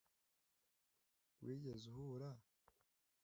Wigeze uhura…